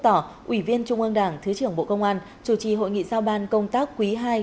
tỏ ủy viên trung ương đảng thứ trưởng bộ công an chủ trì hội nghị giao ban công tác quý ii